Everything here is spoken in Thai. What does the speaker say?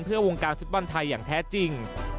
เพื่อวงการฟุตบอลไทยอย่างแท้จริง